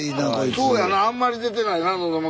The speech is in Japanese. そうやなあんまり出てないな喉仏。